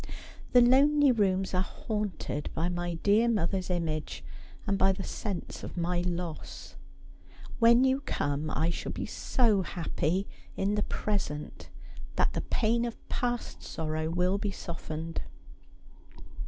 The lonely rooms are haunted by my dear mother's image, and by the sense of my loss. When you come I shall be so happy in the present that the pain of past sorrow will be softened.